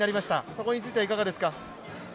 そこについてはいかがですか？